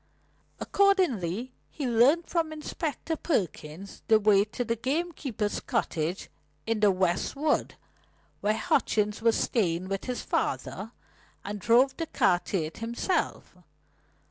Accordingly he learnt from Inspector Perkins the way to the gamekeeper's cottage in the West Wood, where Hutchings was staying with his father, and drove the car to it himself.